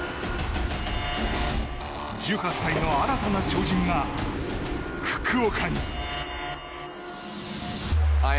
１８歳の新たな超人が福岡に。